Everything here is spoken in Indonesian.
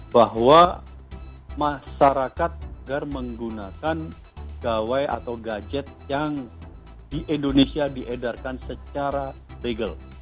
bahwa masyarakat agar menggunakan gawai atau gadget yang di indonesia diedarkan secara legal